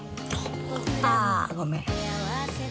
・あごめん。